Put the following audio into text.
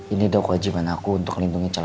ini dok wajiban aku untuk lindungi cari lo